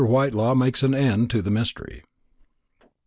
WHITELAW MAKES AN END OF THE MYSTERY.